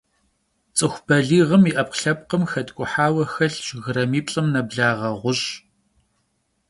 Ts'ıxu baliğım yi 'epkhlhepkhım xetk'uhaue xelhş grammiplh'ım neblağe ğuş'.